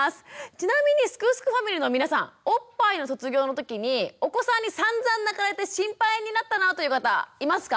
ちなみにすくすくファミリーの皆さんおっぱいの卒業の時にお子さんにさんざん泣かれて心配になったなぁという方いますか？